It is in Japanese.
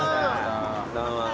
どうも。